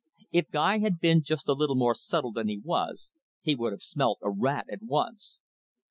If Guy had been just a little more subtle than he was, he would have smelt a rat at once.